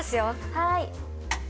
はい。